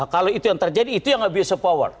kalau itu yang terjadi itu yang abuse of power